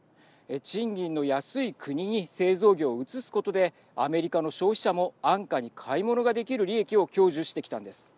賃金の安い国に製造業を移すことでアメリカの消費者も安価に買い物ができる利益を享受してきたんです。